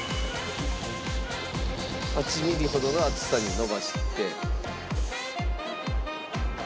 ８ミリほどの厚さに伸ばして。